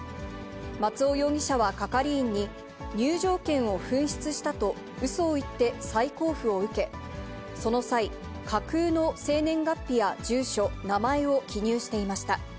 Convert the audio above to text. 松尾容疑者は係員に、入場券を紛失したとうそを言って、再交付を受け、その際、架空の生年月日や住所、名前を記入していました。